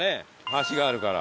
橋があるから。